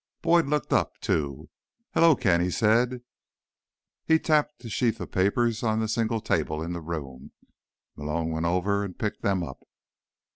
Boyd looked up too. "Hello, Ken," he said. He tapped a sheaf of papers on the single table in the room. Malone went over and picked them up.